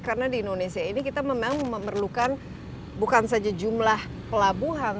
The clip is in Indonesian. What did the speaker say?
karena di indonesia ini kita memang memerlukan bukan saja jumlah pelabuhan